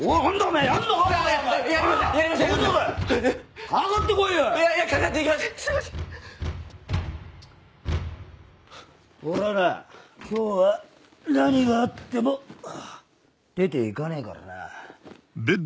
なら今日は何があっても出て行かねえからな。